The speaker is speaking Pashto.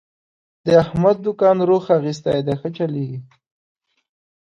د احمد دوکان روخ اخستی دی، ښه چلېږي.